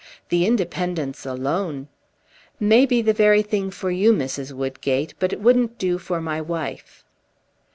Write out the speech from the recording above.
The independence alone " "May be the very thing for you, Mrs. Woodgate, but it wouldn't do for my wife!"